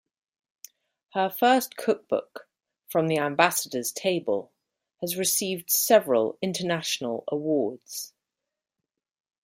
Her first cookbook, "From the Ambassador's Table", has received several international awards.